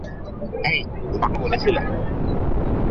এই, তোমাকে বলেছিলাম।